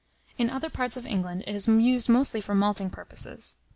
In other parts of England, it is used mostly for malting purposes.